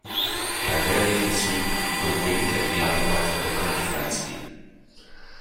By varying the sweep the wing can be optimised for the current flight speed.